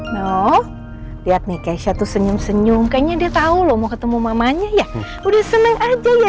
no lihat nih kesha tuh senyum senyum kayaknya dia tahu lo mau ketemu mamanya ya udah seneng aja ya